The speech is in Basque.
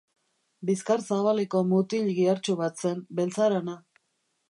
Bizkar zabaleko mutil gihartsu bat zen, beltzarana.